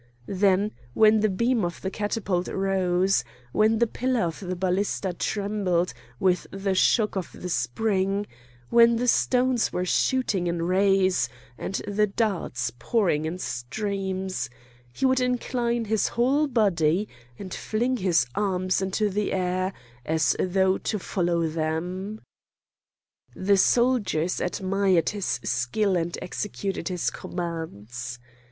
Then when the beam of the catapult rose, when the pillar of the ballista trembled with the shock of the spring, when the stones were shooting in rays, and the darts pouring in streams, he would incline his whole body and fling his arms into the air as though to follow them. The soldiers admired his skill and executed his commands.